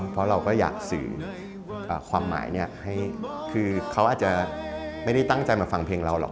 เพราะเราก็อยากสื่อความหมายให้คือเขาอาจจะไม่ได้ตั้งใจมาฟังเพลงเราหรอก